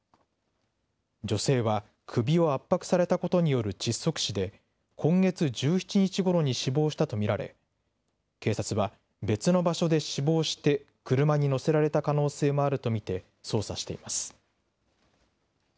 女性は首を圧迫されたことによる窒息死で、今月１７日ごろに死亡したと見られ、警察は別の場所で死亡して、車に乗せられた可能性もあると見て、捜査しています。